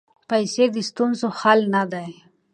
پیسې د ستونزو حل نه دی.